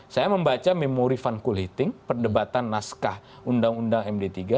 saya membaca memori funkulting perdebatan naskah undang undang md tiga